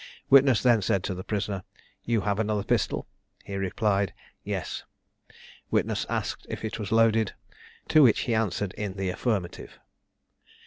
Witness then said to the prisoner, "You have another pistol?" He replied, "Yes." Witness asked if it was loaded? to which he answered in the affirmative.